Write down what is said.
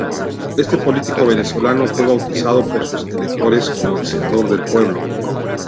Este político venezolano fue bautizado por sus electores como el "Senador del Pueblo".